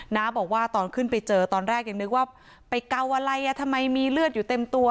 น้าบอกว่าตอนขึ้นไปเจอตอนแรกยังนึกว่าไปเกาอะไรอ่ะทำไมมีเลือดอยู่เต็มตัว